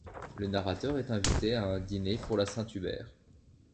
Le narrateur est invité à un dîner pour la Saint Hubert.